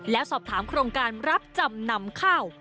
แล้วสอบถามโครงการรับจำนำข้าว